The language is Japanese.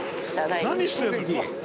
何してるの？